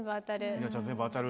里奈ちゃん全部当たる？